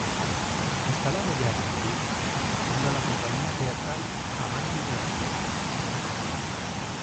Instalado ya en Madrid funda la compañía teatral "Avanti Teatro".